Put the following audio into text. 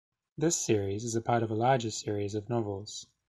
This series is part of a larger series of novels.